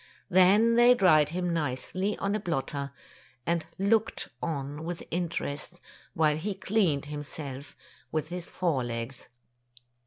Then they dried him nicely on a blotter, and looked on with interest while he cleaned himself with his fore legs.